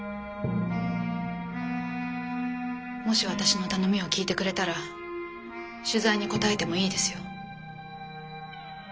もし私の頼みを聞いてくれたら取材に答えてもいいですよ。